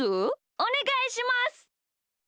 おねがいします。